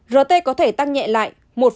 rt có thể tăng nhẹ lại một tám